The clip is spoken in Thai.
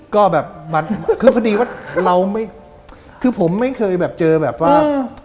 ก็แบบมันคือพอดีว่าเราไม่คือผมไม่เคยแบบเจอแบบว่า